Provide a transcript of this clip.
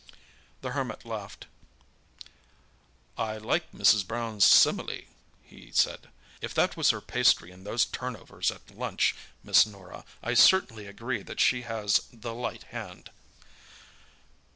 The Hermit laughed. "I like Mrs. Brown's simile," he said. "If that was her pastry in those turnovers at lunch, Miss Norah, I certainly agree that she has 'the light hand.